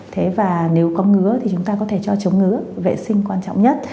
thế và nếu có ngứa thì chúng ta có thể cho chống ngứ vệ sinh quan trọng nhất